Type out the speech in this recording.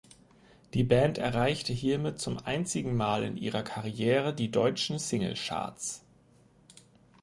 Die Band erreichte hiermit zum einzigen Mal in ihrer Karriere die deutschen Singlecharts.